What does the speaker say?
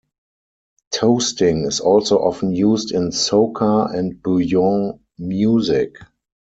Toasting is also often used in soca and bouyon music.